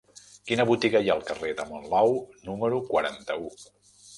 Quina botiga hi ha al carrer de Monlau número quaranta-u?